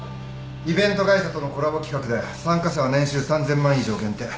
イベント会社とのコラボ企画で参加者は年収３，０００万以上限定。